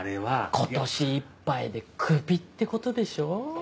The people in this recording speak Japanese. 今年いっぱいでクビってことでしょ？